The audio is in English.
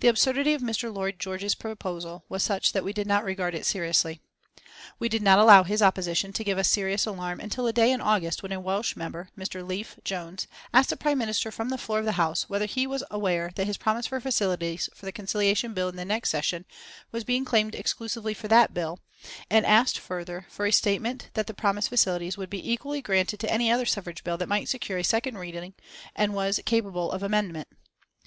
The absurdity of Mr. Lloyd George's proposition was such that we did not regard it seriously. We did not allow his opposition to give us serious alarm until a day in August when a Welsh member, Mr. Leif Jones, asked the Prime Minister from the floor of the House, whether he was aware that his promise for facilities for the Conciliation Bill in the next session was being claimed exclusively for that bill, and asked further for a statement that the promised facilities would be equally granted to any other suffrage bill that might secure a second reading and was capable of amendment.